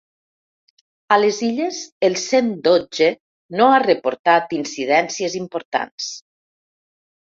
A les Illes, el cent dotze no ha reportat incidències importants.